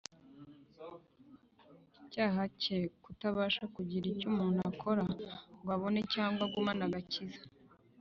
cyaha cye, kutabasha kugira icyo umuntu akora ngo abone cyangwa agumane agakiza,